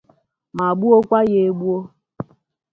ma gbuokwa ya egbuo